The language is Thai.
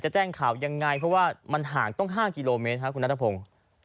แจ้งข่าวยังไงเพราะว่ามันห่างต้อง๕กิโลเมตรครับคุณนัทพงศ์